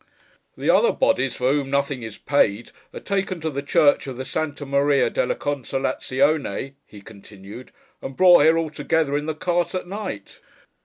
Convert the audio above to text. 'The other bodies, for whom nothing is paid, are taken to the church of the Santa Maria della Consolázione,' he continued, 'and brought here altogether, in the cart at night.